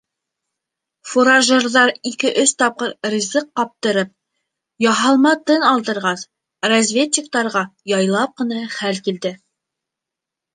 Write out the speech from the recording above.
Фуражерҙар ике-өс тапҡыр ризыҡ ҡаптырып, яһалма тын алдырғас, разведчиктарға яйлап ҡына хәл инде.